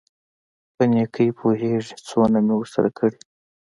په نېکۍ پوېېږي څونه مې ورسره کړي.